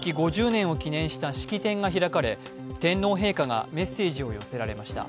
５０年を記念した式典が開かれ天皇陛下がメッセージを寄せられました。